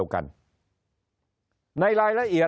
คนในวงการสื่อ๓๐องค์กร